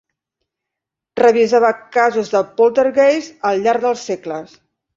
Revisava casos de poltergeist al llarg dels segles.